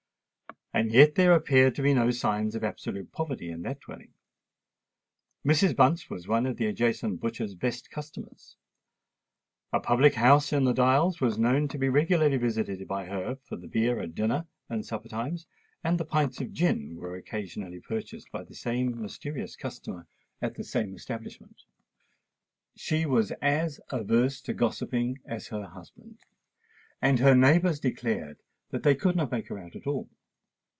And yet there appeared to be no signs of absolute poverty in that dwelling. Mrs. Bunce was one of the adjacent butcher's best customers: a public house in the Dials was known to be regularly visited by her for the beer at dinner and supper times; and pints of gin were occasionally purchased by the same mysterious customer at the same establishment. She was as averse to gossiping as her husband; and her neighbours declared that they could not make her out at all.